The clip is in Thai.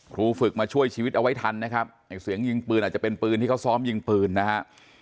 ครูฝึกมาช่วยชีวิตเอาไว้ทันนะครับไอ้เสียงยิงปืนอาจจะเป็นปืนที่เขาซ้อมยิงปืนนะฮะ